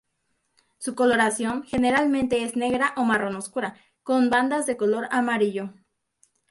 Su coloración generalmente es negra o marrón oscura, con bandas de color amarillo.